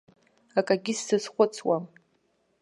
Акагьы сзазхәыцуам.